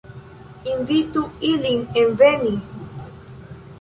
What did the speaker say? Invitu ilin enveni!